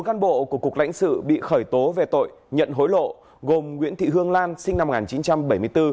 bốn cán bộ của cục lãnh sự bị khởi tố về tội nhận hối lộ gồm nguyễn thị hương lan sinh năm một nghìn chín trăm bảy mươi bốn